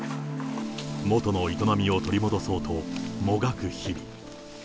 元の営みを取り戻そうともがく日々。